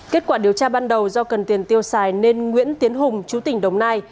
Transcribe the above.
kết quả điều tra ban đầu do cần tiền tiêu xài nên nguyễn tiến hùng chú tỉnh đồng nai